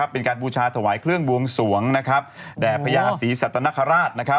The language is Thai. เป็นการบูชาถวายเครื่องวงศวงแห่งพญาศีสัตนคราช